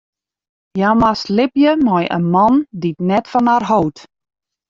Hja moast libje mei in man dy't net fan har hold.